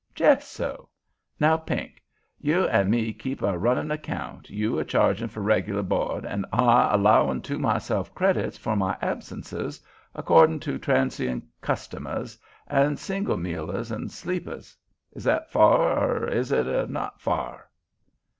Jes' so. Now, Pink, you an' me'll keep a runnin' account, you a chargin' for reg'lar bo'd, an' I a'lowin' to myself credics for my absentees, accordin' to transion customers an' singuil mealers an' sleepers. Is that fa'r, er is it not fa'r?"